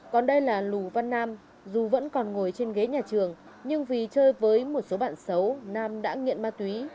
còn đây là lù văn nam dù vẫn còn ngồi trên ghế nhà trường nhưng vì chơi với một số bạn xấu nam đã nghiện ma túy